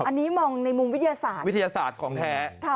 อันนี้มองในมุมวิทยาศาสตร์วิทยาศาสตร์ของแท้